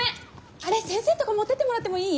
あれ先生んとこ持ってってもらってもいい？